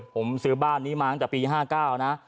ผมซื้อบ้านนี้มาตั้งแต่ปี๕๙นะ